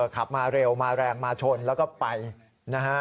ขับมาเร็วมาแรงมาชนแล้วก็ไปนะฮะ